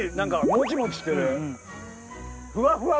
モチモチしてる。